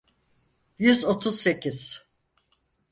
Yüz otuz sekiz.